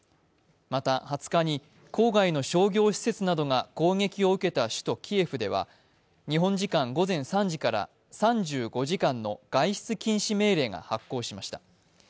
また、２０日に郊外の商業施設などが攻撃を受けた首都キエフでは日本時間午前３時から３５時間の外出禁止命令が発効しました。